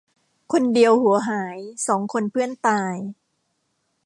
คนเดียวหัวหาย สองคนเพื่อนตาย